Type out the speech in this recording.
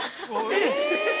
えっ！